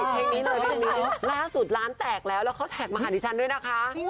เพลงนี้เลยเพลงนี้ล่าสุดร้านแตกแล้วแล้วเขาแท็กมาหาดิฉันด้วยนะคะ